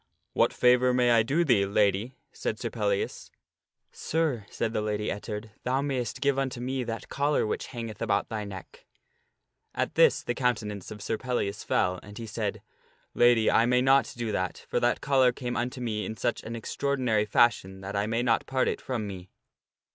" What favor may I do thee, Lady ?" said Sir Pellias. " Sir," said the Lady Ettard, "thou mayst give unto me that collar which hangeth about thy neck." At this the countenance of Sir Pellias fell, and he said, " Lady, I may not do that ; for that collar came unto me in such an extraordinary fashion that I may not part it from me."